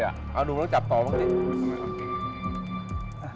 เอาดูแล้วจับต่อมากัน